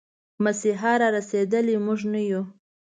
مسيحا را رسېدلی، موږه نه يو